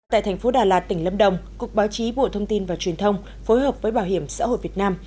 tại thành phố đà lạt tỉnh lâm đồng cục báo chí bộ thông tin và truyền thông phối hợp với bảo hiểm xã hội việt nam